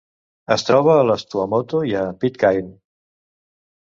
Es troba a les Tuamotu i a Pitcairn.